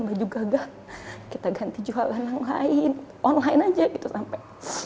baju gagah kita ganti jualan yang lain online aja gitu sampai